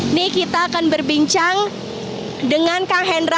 ini kita akan berbincang dengan kang hendra